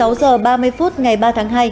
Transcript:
vào ba mươi phút ngày ba tháng hai